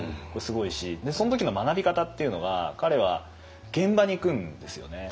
でその時の学び方っていうのが彼は現場に行くんですよね。